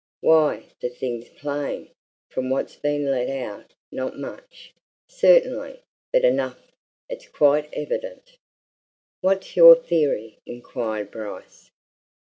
"Why, the thing's plain. From what's been let out not much, certainly, but enough it's quite evident." "What's your theory?" inquired Bryce.